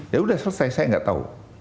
ya sudah selesai saya nggak tahu